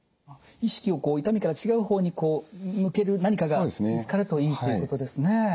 意識をこう痛みから違う方にこう向ける何かが見つかるといいっていうことですね。